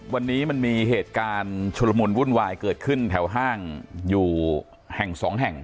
วันนี้มันมีเหตุการณ์ชุลมุนวุ่นวายเกิดขึ้นแถวห้างอยู่แห่งสองแห่ง